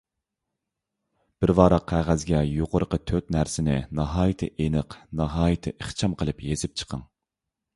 بىر ۋاراق قەغەزگە يۇقىرىقى تۆت نەرسىنى ناھايىتى ئېنىق، ناھايىتى ئىخچام قىلىپ يېزىپ چىقىڭ.